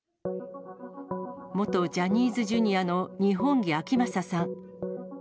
元ジャニーズＪｒ．の二本樹顕理さん。